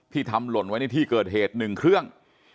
ทำหล่นไว้ในที่เกิดเหตุ๑เครื่อง